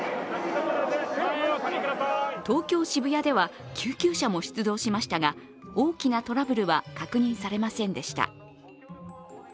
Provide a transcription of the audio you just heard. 東京・渋谷では、救急車も出動しましたが大きなトラブルは確認されませんでした。